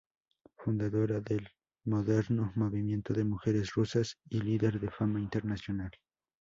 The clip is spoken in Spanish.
Fundadora del moderno movimiento de mujeres rusas y líder de fama internacional.